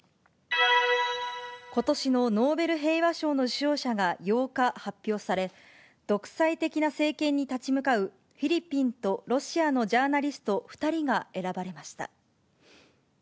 ことしのノーベル平和賞の受賞者が８日発表され、独裁的な政権に立ち向かうフィリピンとロシアのジャーナリスト２人が選ばれました。